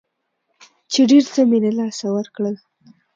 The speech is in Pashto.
چې ډېر څه مې له لاسه ورکړل.